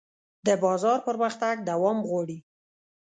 د بازار پرمختګ دوام غواړي.